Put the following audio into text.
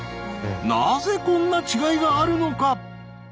なぜこんな違いがあるのか？